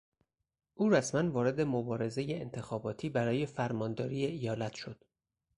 او رسما وارد مبارزهی انتخاباتی برای فرمانداری ایالت شد.